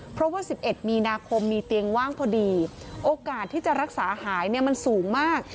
เพราะว่า๑๑มีนาคมมีเตียงว่างพอดีโอกาสที่จะรักษาหายเนี่ยมันสูงมาก